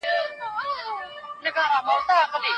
موږ به د فشار کنټرول زده کړی وي.